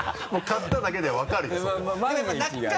「買った」だけで分かるよそれは。